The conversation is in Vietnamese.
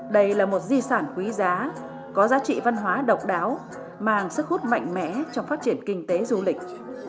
đây là một di sản quý giá có giá trị văn hóa độc đáo mang sức hút mạnh mẽ trong phát triển kinh tế du lịch